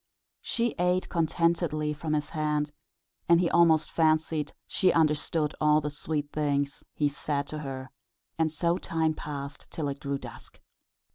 She ate contentedly from his hand, and he almost fancied she understood all the sweet things he said to her, and so time passed till it grew dusk.